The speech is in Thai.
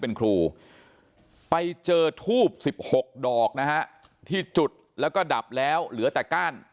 เป็นครูไปเจอทูบ๑๖ดอกนะฮะที่จุดแล้วก็ดับแล้วเหลือแต่ก้าน